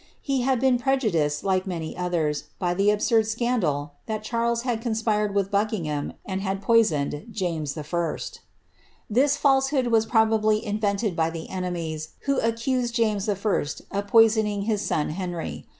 B had been prejudiced, like many others, by the absurd scandal 'th Charles had conspired witli Buckingliam, and had poisoned James L This falsehood was probably invented by the eneiuies who acciM James I. of poisoning his son Henry.